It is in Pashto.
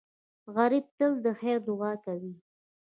غریب تل د خیر دعا کوي